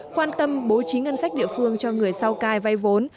quan tâm bố trí ngân sách địa phương cho người sau cai vốn